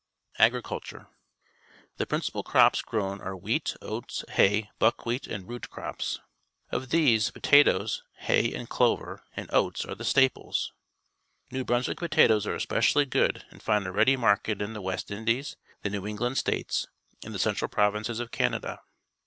Agriculture. — The principal crops grown are wheat, oats, hay, buckwhe at, and root crops. Of the.se, potatoes, hay and clover, and oats are the staples. New Brunswick potatoes are especially good and find a ready market in the West Indies, the New England States, and the central provinces of Canada.